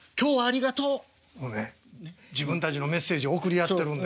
もうね自分たちのメッセージを送り合ってるんですよ。